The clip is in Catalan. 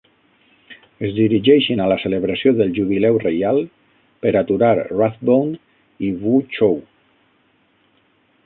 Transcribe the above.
Es dirigeixen a la celebració del Jubileu Reial per aturar Rathbone i Wu Chow.